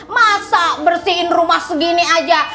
masa bersihin rumah segini aja